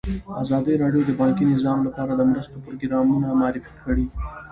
ازادي راډیو د بانکي نظام لپاره د مرستو پروګرامونه معرفي کړي.